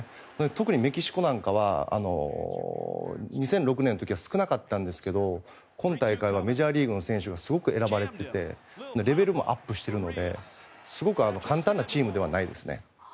特にメキシコなんかは２００６年の時は少なかったんですけど今大会はメジャーリーグの選手がすごく選ばれていてレベルもアップしているのですごく簡単なチームではないですね。